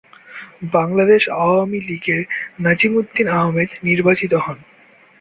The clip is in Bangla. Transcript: বাংলাদেশ আওয়ামী লীগের নাজিম উদ্দিন আহমেদ নির্বাচিত হন।